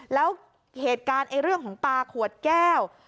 แล้วเหตุการณ์เรื่องของปลาขวดแก้ว